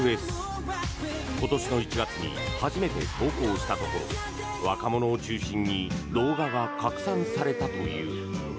今年の１月に初めて投稿したところ若者を中心に動画が拡散されたという。